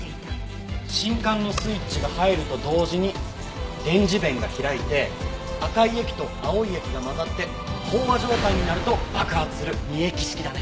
信管のスイッチが入ると同時に電磁弁が開いて赤い液と青い液が混ざって飽和状態になると爆発する二液式だね。